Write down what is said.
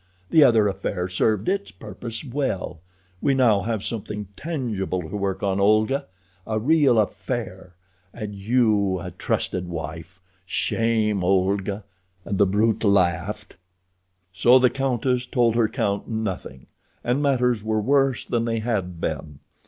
The other affair served its purpose well—we now have something tangible to work on, Olga. A real affair—and you a trusted wife. Shame, Olga," and the brute laughed. So the countess told her count nothing, and matters were worse than they had been.